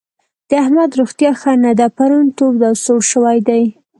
د احمد روغتيا ښه نه ده؛ پرون تود او سوړ شوی دی.